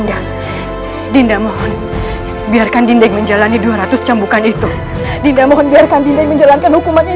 jangan sampai terbowongi